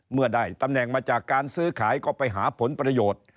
เมื่อได้ตำแหน่งมาจากการซื้อขายก็ไปหาผลประโยชน์